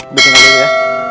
maaf ya bang ube